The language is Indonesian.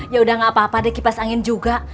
yaudah gak apa apa deh kipas angin juga